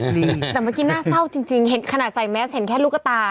แต่เมื่อกี้น่าเศร้าจริงเห็นขนาดใส่แมสเห็นแค่ลูกตา